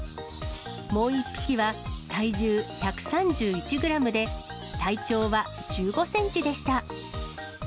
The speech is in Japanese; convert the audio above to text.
もう１匹は体重１３１グラムで、体長は１５センチでした。